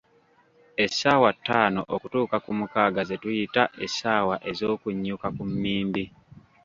Essaawa ttaano okutuuka ku mukaaga ze tuyita, essaawa "ez'okunyuka ku mmimbi".